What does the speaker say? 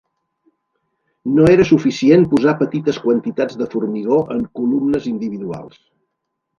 No era suficient posar petites quantitats de formigó en columnes individuals.